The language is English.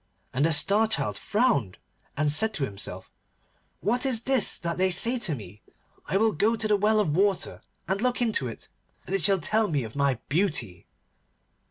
And the Star Child frowned and said to himself, 'What is this that they say to me? I will go to the well of water and look into it, and it shall tell me of my beauty.